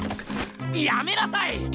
やめなさい！